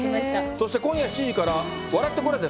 そして今夜７時から、笑ってコラえて！